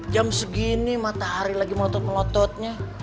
jam segini matahari lagi melotot melototnya